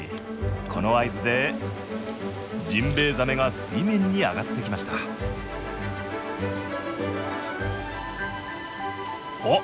この合図でジンベエザメが水面に上がってきましたおっ！